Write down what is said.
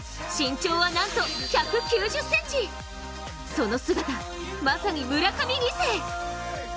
その姿、まさに村上２世。